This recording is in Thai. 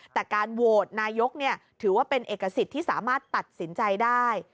แต่การโหวตนายกถือว่าเป็นเอกสิทธิ์ที่สามารถตัดสินใจได้